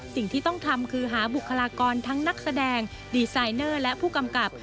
สิ่งที่ต้องทำคือหาบุคลากรทั้งนักแสดงดีไซเนอร์และผู้กำกับ